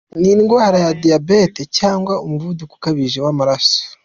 n’indwara ya Diabete cyangwa umuvuduko ukabije w’amaraso.